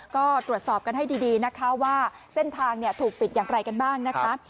ก็ตรวจสอบกันให้ดีนะคะว่าเส้นทางถูกปิดอย่างไรกันบ้างนะคะ